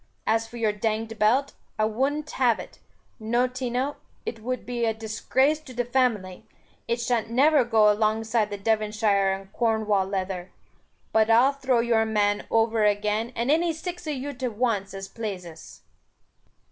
As for your danged belt, I wun't have it, no tino, it wud be a disgrace to the family; it shan't never go along side the Devonshire and Cornwall leather. But I'll throw your man over again, and any six of you to once as plases."